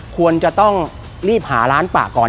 ควรจะต้องรีบหาร้านป่าก่อน